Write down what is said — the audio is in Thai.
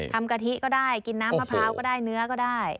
กะทิก็ได้กินน้ำมะพร้าวก็ได้เนื้อก็ได้